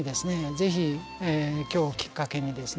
ぜひ今日をきっかけにですね